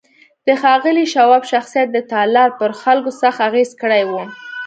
د ښاغلي شواب شخصيت د تالار پر خلکو سخت اغېز کړی و.